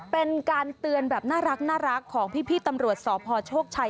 เป็นการเตือนแบบน่ารักของพี่ตำรวจสพโชคชัย